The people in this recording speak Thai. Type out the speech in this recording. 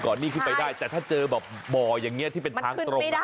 กล่อนี่ก็ขึ้นไปช่วยแต่เจอบ่อยังเงี้ยที่เป็นทางตรม